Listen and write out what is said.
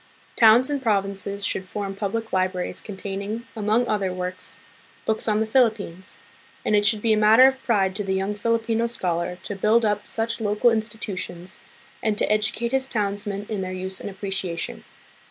Towns and provinces should form public libraries containing, among other works, books on the Philippines; and it should be a matter of pride to the young Filipino scholar to build up such local institutions, and to educate his townsmen in their use and appreciation.